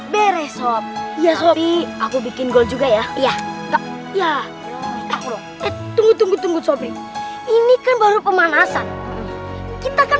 beres op ya sobi aku bikin gol juga ya iya ya tunggu tunggu ini kan baru pemanasan kita kan